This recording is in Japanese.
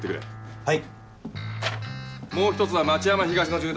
はい。